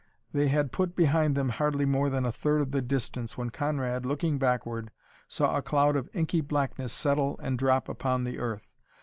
They had put behind them hardly more than a third of the distance when Conrad, looking backward, saw a cloud of inky blackness settle and drop upon the earth.